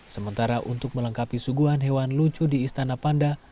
sementara untuk melengkapi suguhan hewan lucu di istana panda